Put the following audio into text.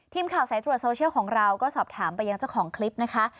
ทีมข่าวสายตรวจโซเชียลของเราก็สอบถามไปยังเจ้าของคลิปนะคะ